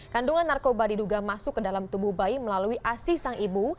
kandungan narkoba diduga masuk ke dalam tubuh bayi melalui asi sang ibu